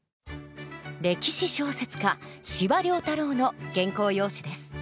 歴史小説家司馬太郎の原稿用紙です。